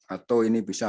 atau ini bisa